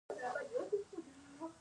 آیا ورځپاڼې او مجلې ډیرې نه دي؟